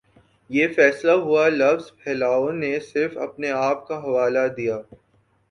یہ فیصلہ ہوا لفظ پھیلاؤ نے صرف اپنے آپ کا حوالہ دیا